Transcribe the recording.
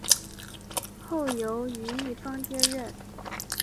后由于一方接任。